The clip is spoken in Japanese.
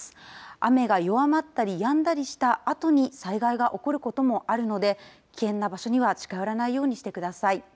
雨が弱まったりやんだりしたあとに災害が起こることもあるので、危険な場所には近寄らないようにしてください。